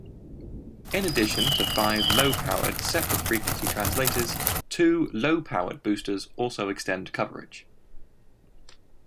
In addition to five low-powered, separate-frequency translators, two low-powered boosters also extend coverage.